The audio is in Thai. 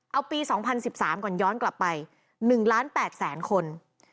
เอาปี๒๐๑๓ก่อนย้อนกลับไป๑ล้าน๘แสนคน